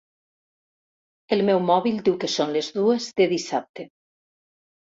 El meu mòbil diu que són les dues de dissabte.